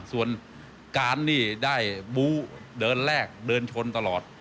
ส่วนการนี่ได้บู้เดินแรกเดินชนตลอด